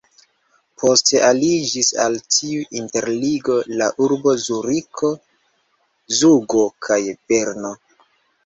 Poste aliĝis al tiu interligo la urboj Zuriko, Zugo kaj Berno.